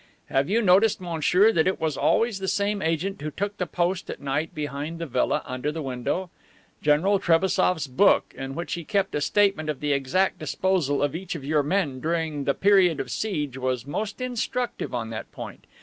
Have you noticed, monsieur, that it was always the same agent who took the post at night, behind the villa, under the window? General Trebassof's book in which he kept a statement of the exact disposal of each of your men during the period of siege was most instructive on that point.